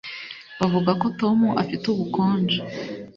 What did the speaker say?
bavuga ko tom afite ubukonje